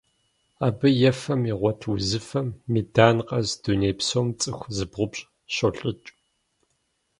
Абы ефэм игъуэт узыфэм медан къэс дуней псом цӀыху зыбгъупщӀ щолӀыкӀ.